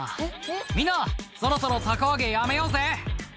「みんなそろそろ凧揚げやめようぜ」